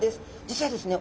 実はですね